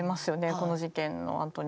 この事件のあとに。